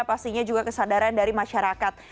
pastinya juga kesadaran dari masyarakat